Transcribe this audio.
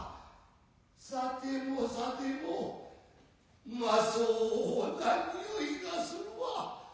さてもさてもうまそうな匂いがするわ。